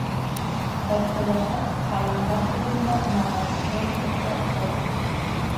Әптеләхәт ҡайындар төбөндә мотоциклын туҡтатты.